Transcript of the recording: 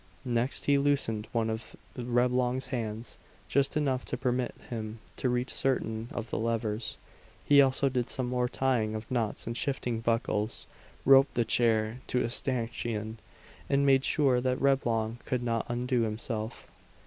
Next he loosened one of Reblong's hands, just enough to permit him to reach certain of the levers. He also did some more tying of knots and shifting of buckles, roped the chair to a stanchion, and made sure that Reblong could not undo himself.